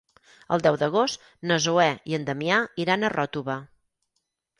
El deu d'agost na Zoè i en Damià iran a Ròtova.